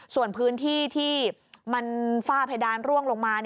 ส่วนพื้นที่ที่มันฝ้าเพดานร่วงลงมา